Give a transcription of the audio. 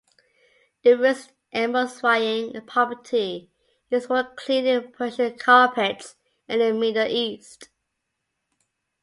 The root's emulsifying property is used for cleaning Persian carpets in the Middle East.